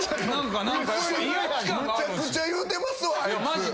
むちゃくちゃ言うてますわあいつ！